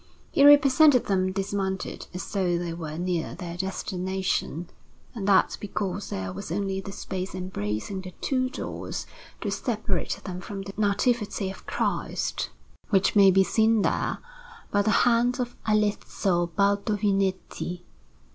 He represented them dismounted, as though they were near their destination; and that because there was only the space embracing the two doors to separate them from the Nativity of Christ which may be seen there, by the hand of Alesso Baldovinetti.